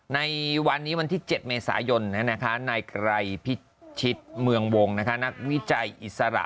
ในวันนี้วันที่๗เมษายนนายไกรพิชิตเมืองวงนักวิจัยอิสระ